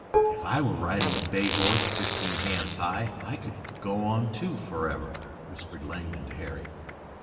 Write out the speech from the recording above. "If I were riding a bay horse fifteen hands high I could go on, too, forever," whispered Langdon to Harry.